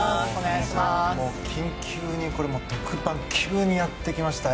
緊急に特番急にやってきました。